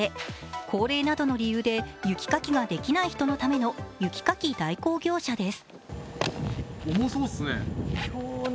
高齢などの理由で雪かきができない人のための雪かき代行業者です。